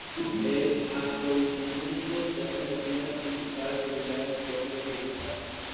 El aprovisionamiento, se ha convertido en la principal actividad en el Puerto de Gibraltar.